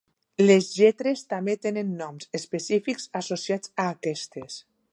Les lletres també tenen noms específics associats a aquestes.